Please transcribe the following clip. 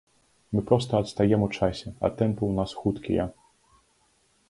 Мы проста адстаем у часе, а тэмпы ў нас хуткія.